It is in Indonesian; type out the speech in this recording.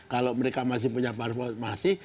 kalau mereka masih punya performa masih